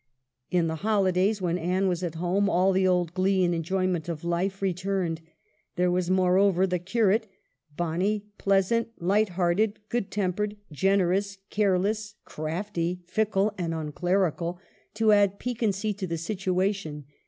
In the holidays when Anne was at home all the old glee and enjoyment of life returned. There was, moreover, the curate, " bonnie, pleas ant, light hearted, good tempered, generous, care GIRLHOOD AT HA WORTH. 93 less, crafty, fickle, and unclerical," to add piquancy to the situation.